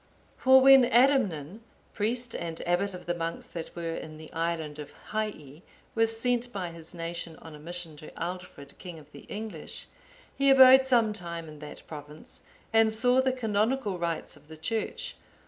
For when Adamnan,(854) priest and abbot of the monks that were in the island of Hii, was sent by his nation on a mission to Aldfrid, king of the English,(855) he abode some time in that province, and saw the canonical rites of the Church.